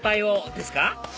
ですか